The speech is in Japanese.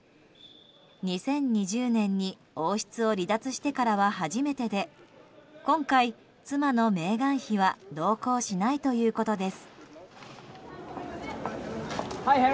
２０２０年に王室を離脱してからは初めてで今回、妻のメーガン妃は同行しないということです。